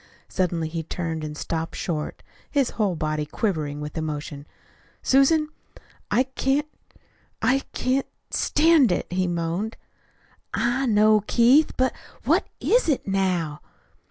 Suddenly he turned and stopped short, his whole body quivering with emotion. "Susan, I can't! I can't stand it," he moaned. "I know, Keith. But, what is it now?"